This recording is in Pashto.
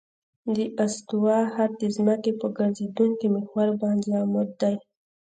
د استوا خط د ځمکې په ګرځېدونکي محور باندې عمود دی